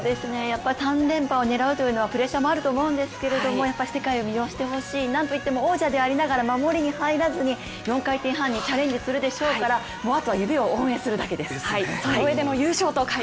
３連覇を狙うというのは、プレッシャーもあると思うんですがやっぱり世界を魅了してほしい、なんといっても王者といっても４回転半にチャレンジするでしょうからあとは応援するだけです。